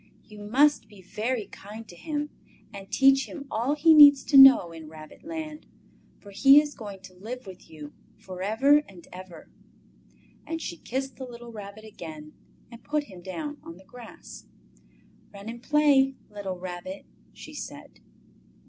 "You must be very kind to him and teach him all he needs to know in Rabbit land, for he is going to live with you for ever and ever!" And she kissed the little Rabbit again and put him down on the grass. "Run and play, little Rabbit!" she said.